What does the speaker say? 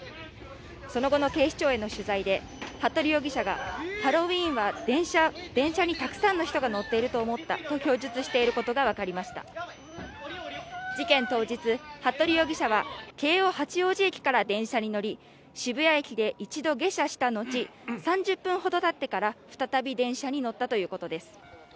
その後の警視庁への取材で服部容疑者がハロウィーンは電車にたくさんの人が乗っていると思ったと供述していることが分かりました事件当日、服部容疑者は京王八王子駅から電車に乗り渋谷駅で一度下車した後３０分ほど経ってから再び電車に乗ったということです